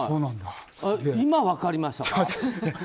今、分かりましたか。